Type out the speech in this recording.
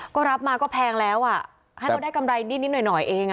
ก็รับมาก็แพงแล้วอ่ะให้เขาได้กำไรนิดหน่อยเอง